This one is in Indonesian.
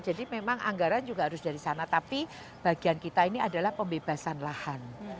jadi memang anggaran juga harus dari sana tapi bagian kita ini adalah pembebasan lahan